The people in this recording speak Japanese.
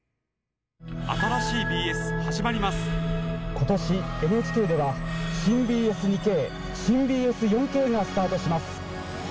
今年ＮＨＫでは新ＢＳ２Ｋ新ＢＳ４Ｋがスタートします！